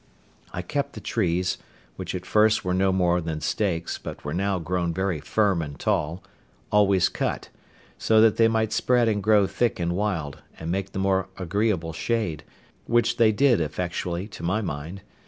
I kept the trees, which at first were no more than stakes, but were now grown very firm and tall, always cut, so that they might spread and grow thick and wild, and make the more agreeable shade, which they did effectually to my mind.